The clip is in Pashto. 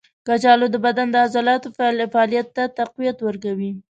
کچالو د بدن د عضلاتو فعالیت ته قوت ورکوي.